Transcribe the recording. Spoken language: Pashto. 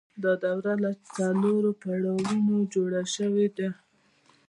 دا دوره له څلورو پړاوونو جوړه شوې ده